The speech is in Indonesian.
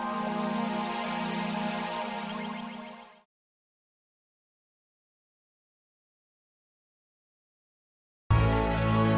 ini semua orang yang gawat